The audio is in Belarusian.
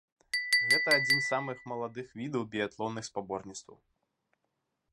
Гэта адзін з самых маладых відаў біятлонных спаборніцтваў.